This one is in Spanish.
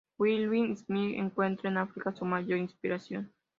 Wilbur Smith encuentra en África su mayor inspiración.